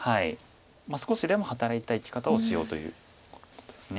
少しでも働いた生き方をしようということです。